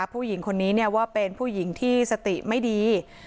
ผู้หญิงคนนี้ว่าเป็นผู้หญิงที่สติไม่ดี